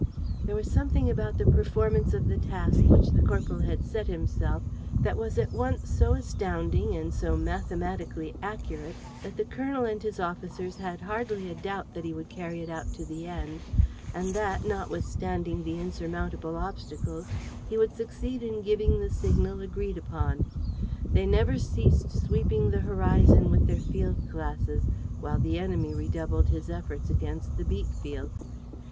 There was something about the performance of the task which the corporal had set himself that was at once so astounding and so mathematically accurate that the colonel and his officers had hardly a doubt that he would carry it out to the end and that, notwithstanding the insurmountable obstacles, he would succeed in giving the signal agreed upon. They never ceased sweeping the horizon with their field glasses, while the enemy redoubled his efforts against the beet field.